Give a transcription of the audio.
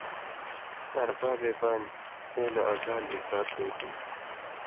اربابے بانیۡ ای لہ اگار جِھکا تے بِگ